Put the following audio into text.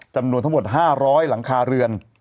จำนวนทั้งหมด๕๐๐หลังคาเรือน